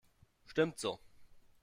Stimmt so.